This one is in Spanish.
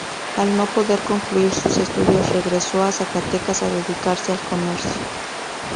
Al no poder concluir sus estudios, regresó a Zacatecas a dedicarse al comercio.